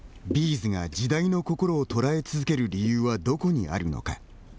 ’ｚが、時代の心を捉え続ける理由はどこにあるのか。